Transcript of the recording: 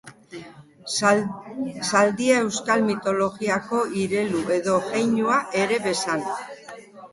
Zaldia euskal mitologiako irelu edo jeinua ere bazen.